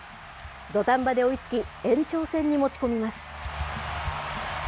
土壇場で追いつき、延長戦に持ち込みます。